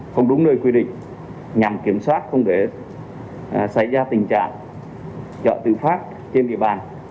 không đúng nơi quy định nhằm kiểm soát không để xảy ra tình trạng chợ tự phát trên địa bàn